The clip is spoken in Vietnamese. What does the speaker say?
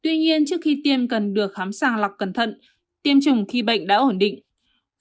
tuy nhiên trước khi tiêm cần được khám sàng lọc cẩn thận tiêm chủng khi bệnh đã ổn định